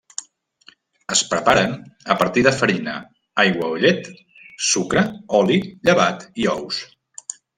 Es preparen a partir de farina, aigua o llet, sucre, oli, llevat i ous.